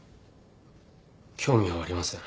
興味はありません。